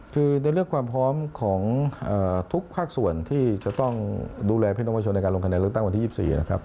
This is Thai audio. คือในเรื่องความพร้อมของทุกภาคส่วนที่จะต้องดูแลพี่น้องประชาชนในการลงคะแนนเลือกตั้งวันที่๒๔นะครับ